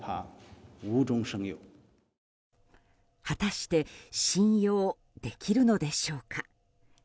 果たして信用できるのでしょうか。